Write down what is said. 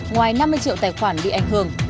ngoài năm mươi triệu tài khoản bị ảnh hưởng